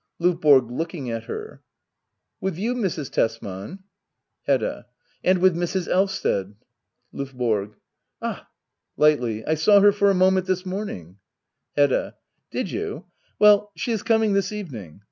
LOVBORO. [Looking at her,] With you, Mrs. Tesman ? Hedda. And with Mrs. Elvsted. LdVBORO. Ah [Lightly.] I saw her for a moment this morning. Hedda. Did you ? Well, she is coming this evening.